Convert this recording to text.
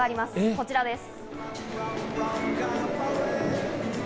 こちらです。